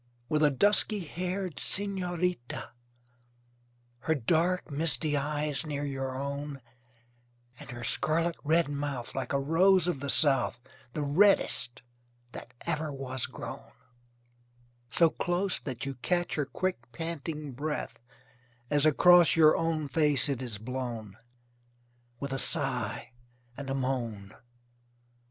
With a dusky haired senorita, Her dark, misty eyes near your own, And her scarlet red mouth, Like a rose of the south, The reddest that ever was grown, So close that you catch Her quick panting breath As across your own face it is blown, With a sigh, and a moan.